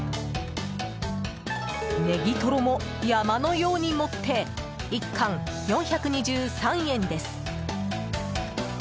ネギトロも山のように盛って１貫４２３円です。